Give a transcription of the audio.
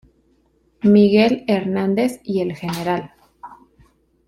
Miguel Hernández y el Gral.